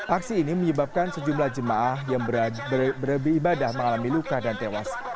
aksi ini menyebabkan sejumlah jemaah yang beribadah mengalami luka dan tewas